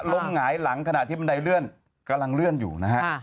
หงายหลังขณะที่บันไดเลื่อนกำลังเลื่อนอยู่นะฮะ